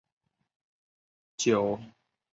酒石酸在化学手性的发现中发挥了重要的作用。